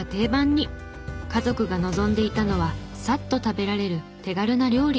家族が望んでいたのはサッと食べられる手軽な料理。